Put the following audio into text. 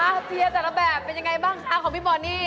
อ้าวเตียนแต่ละแบบเป็นอย่างไรบ้างคะของพี่บอร์นี่